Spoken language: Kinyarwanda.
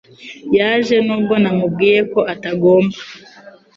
Yaje nubwo namubwiye ko atagomba